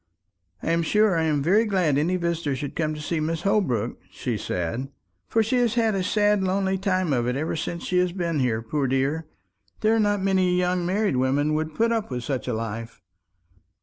"I am sure I'm very glad any visitor should come to see Mrs. Holbrook," she said; "for she has had a sad lonely time of it ever since she has been here, poor dear. There are not many young married women would put up with such a life."